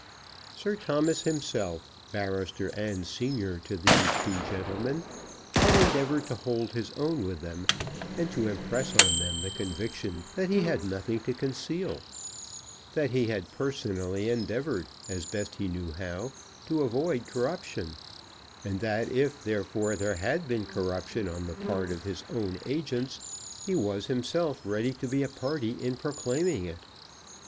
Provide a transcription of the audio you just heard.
Sir Thomas himself, barrister and senior to these two gentlemen, had endeavoured to hold his own with them, and to impress on them the conviction that he had nothing to conceal; that he had personally endeavoured, as best he knew how, to avoid corruption, and that if there had been corruption on the part of his own agents, he was himself ready to be a party in proclaiming it.